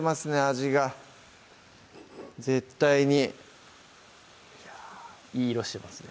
味が絶対にいい色してますね